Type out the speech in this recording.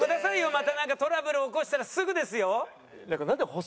またなんかトラブル起こしたらすぐですよ。